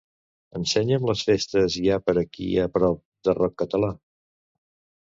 Ensenya'm les festes hi ha per aquí a prop de rock català.